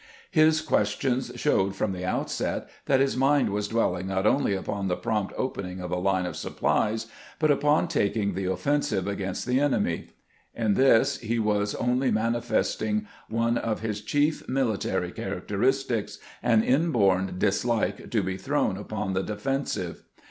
His questions showed from the outset that his mind was dwelling not only upon the prompt opening of a line of supplies, but upon taking the offensive against the enemy. In this he was only manifesting one of his chief military characteristics — an inborn dis like to be thrown upon the defensive.